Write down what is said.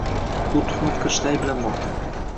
U tuhmat qilishda ayblanmoqda